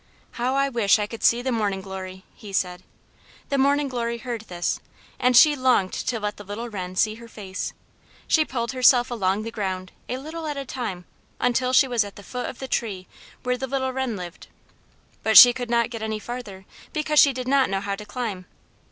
"How I wish I could see the Morning Glory!" he said. The Morning Glory heard this, and she longed to let the little Wren see her face. She pulled herself along the ground, a little at a time, until she was at the foot of the tree where the little Wren lived. But she could not get any farther, because she did not know how to climb.